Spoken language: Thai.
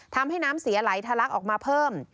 ทำให้น้ำเสียไหลทะลักออกมาเพิ่ม